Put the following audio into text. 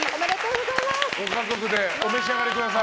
ご家族でお召し上がりください。